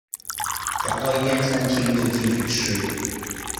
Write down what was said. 找到一间餐厅就进去吃